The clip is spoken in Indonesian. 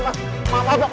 pak kenapa pak